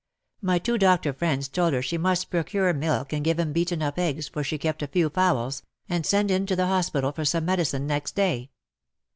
My two doctor friends told her she must procure milk and give him beaten up eggs, for she kept a few fowls, and send in to the hospital for some medicine next day.